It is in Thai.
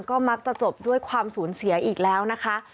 ก็มักจะจบด้วยความสูญเสียอีกแล้วนะคะ